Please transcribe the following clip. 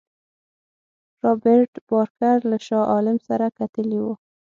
رابرټ بارکر له شاه عالم سره کتلي وه.